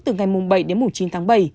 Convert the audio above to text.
từ ngày bảy đến chín tháng bảy